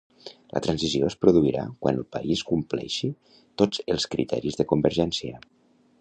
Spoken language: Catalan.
La transició es produirà quan el país compleixi tots els criteris de convergència.